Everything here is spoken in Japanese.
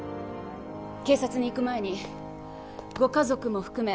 警察に行く前にご家族も含め